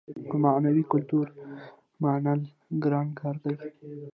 خو معنوي کلتور منل ګران کار دی.